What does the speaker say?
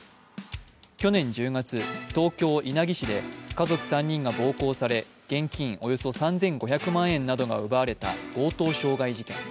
去年１０月、東京・稲城市で家族３人が暴行され、現金およそ３５００万円などが奪われた強盗傷害事件。